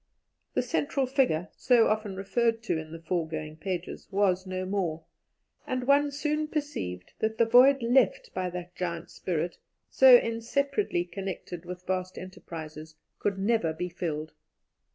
The central figure, so often referred to in the foregoing pages, was no more, and one soon perceived that the void left by that giant spirit, so inseparably connected with vast enterprises, could never be filled.